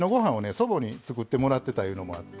祖母に作ってもらってたいうのもあって。